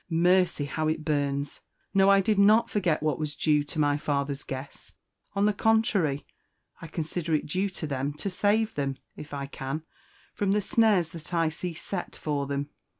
Mercy! how it burns! No, I did not forget what was due to my father's guests; on the contrary, I consider it due to them to save them, if I can, from the snares that I see set for them.